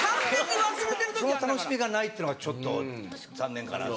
その楽しみがないっていうのがちょっと残念かなって。